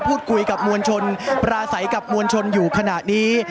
พูดคุยกับมวลชนปราศัยกับมวลชนอยู่ขณะนี้